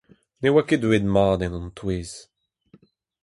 Ne oa ket deuet mat en hon touez.